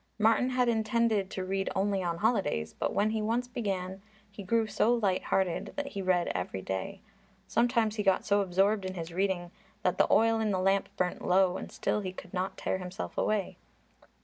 Martin had intended to read only on holidays, but when he once began he grew so light hearted that he read every day. Sometimes he got so absorbed in his reading that the oil in the lamp burnt low and still he could not tear himself away.